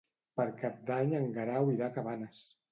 Per Cap d'Any en Guerau irà a Cabanes.